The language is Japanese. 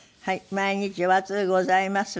「毎日お暑うございます。